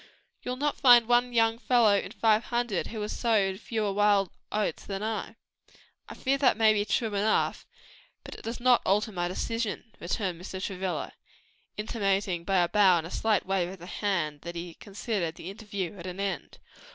You'll not find one young fellow in five hundred who has sowed fewer wild oats than I." "I fear that may be true enough, but it does not alter my decision," returned Mr. Travilla, intimating by a bow and a slight wave of the hand, that he considered the interview at an end.